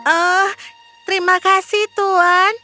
oh terima kasih tuan